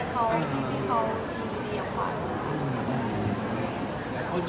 เค้าชมว่าภาพน่ารัก